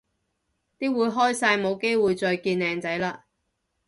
啲會開晒冇機會再見靚仔嘞